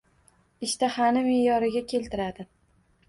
Ishtahani meʼyoriga keltiradi;